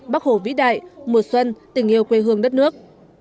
bác hồ vĩ đại mùa xuân tình yêu quê hương đất nước